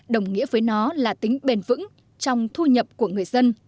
đồng nghĩa với nó là tính bền vững trong thu nhập của người dân